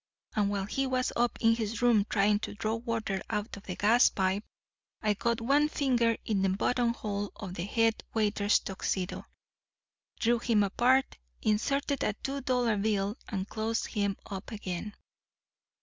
And while he was up in his room trying to draw water out of the gas pipe, I got one finger in the buttonhole of the head waiter's Tuxedo, drew him apart, inserted a two dollar bill, and closed him up again.